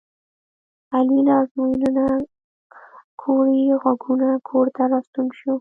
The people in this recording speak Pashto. علي له ازموینې نه کوړی غوږونه کورته راستون شو.